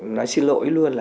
nói xin lỗi luôn